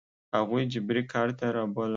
هغوی جبري کار ته رابولم.